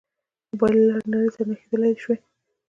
د موبایل له لارې نړۍ سره نښلېدای شو.